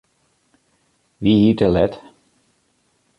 Wie hy te let?